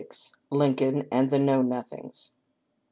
H. LINCOLN AND THE KNOW NOTHINGS.